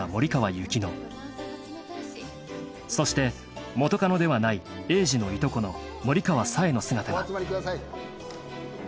［そして元カノではない栄治のいとこの森川紗英の姿が］